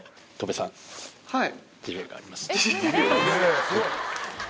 はい。